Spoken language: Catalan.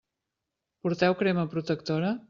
Porteu crema protectora?